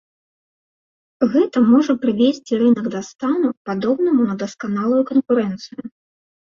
Гэта можа прывесці рынак да стану, падобнаму на дасканалую канкурэнцыю.